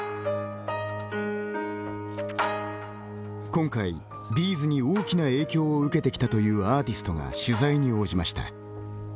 今回、Ｂ’ｚに大きな影響を受けてきたというアーティストが取材に応じました。